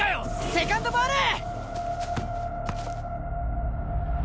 セカンドボール！